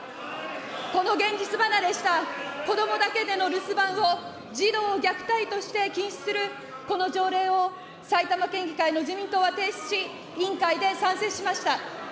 この現実離れした子どもだけでの留守番を児童虐待として禁止するこの条例を、埼玉県議会の自民党は提出し、委員会で賛成しました。